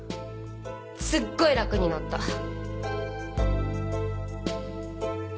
すっごい楽になった。